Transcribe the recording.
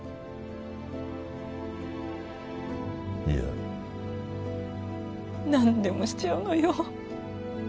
いや何でもしちゃうのよ